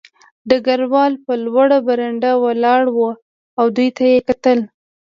ډګروال په لوړه برنډه ولاړ و او دوی ته یې کتل